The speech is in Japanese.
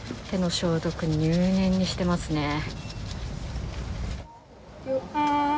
手の消毒、入念にしてますね。